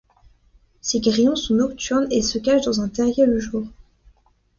Ces grillons sont nocturnes et se cachent dans un terrier le jour.